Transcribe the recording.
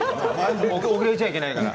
遅れちゃいけないから。